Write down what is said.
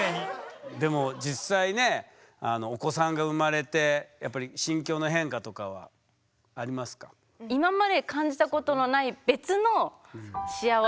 でも実際ねお子さんが生まれてやっぱり心境の変化とかはありますか？っていうものを感じていて。